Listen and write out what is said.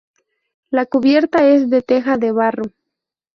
La cubierta es de teja de barro.